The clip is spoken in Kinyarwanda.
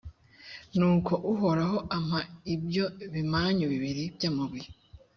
nuko uhoraho ampa ibyo bimanyu bibiri by’amabuye.